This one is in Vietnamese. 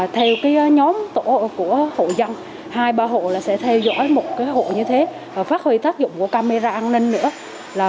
theo nhóm của hộ dân hai ba hộ sẽ theo dõi một hộ như thế phát huy tác dụng của camera an ninh nữa